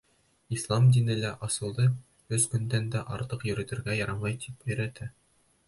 Ислам дине лә, асыуҙы өс көндән дә артыҡ йөрөтөргә ярамай, тип өйрәтә.